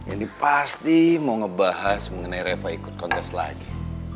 ini pasti mau ngebahas mengenai reva ikut kontes lagi